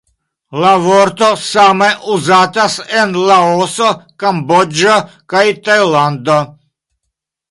La vorto same uzatas en Laoso, Kamboĝo kaj Tajlando.